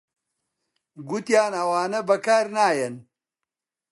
گوتیان ئەوانە بەکار نایەن